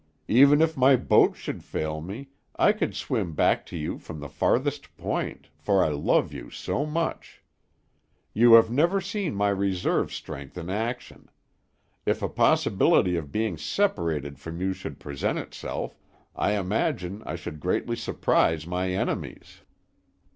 "Even if my boat should fail me, I could swim back to you from the farthest point, for I love you so much. You have never seen my reserve strength in action; if a possibility of being separated from you should present itself, I imagine I should greatly surprise my enemies.